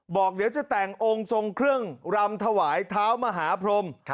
บอกเดี๋ยวจะแต่งองค์ทรงเครื่องรำถวายเท้ามหาพรม